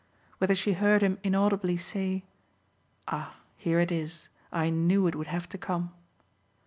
whether she heard him inaudibly say "Ah here it is: I knew it would have to come!"